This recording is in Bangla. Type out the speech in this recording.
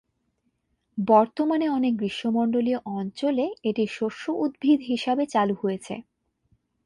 বর্তমানে অনেক গ্রীষ্মমন্ডলীয় অঞ্চলে এটি শস্য উদ্ভিদ হিসাবে চালু হয়েছে।